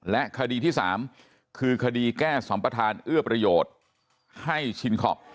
และคดีที่๓คือคดีแก้สัมประธานเอื้อประโยชน์ให้ชินคอป